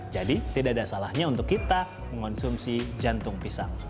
jadi tidak ada salahnya untuk kita mengonsumsi jantung pisang